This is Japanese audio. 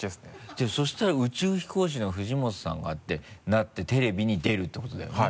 じゃあそしたら宇宙飛行士の藤本さんがってなってテレビに出るってことだよね？